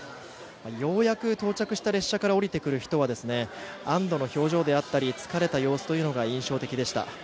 ようやく到着した列車から降りてくる人は安堵の表情や疲れた表情が印象的でした。